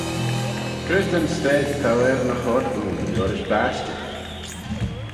Cre ta'n stayd t'ou er ny choyrt ayn liorish bashtey?